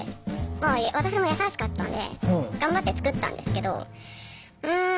まあ私も優しかったんで頑張って作ったんですけど。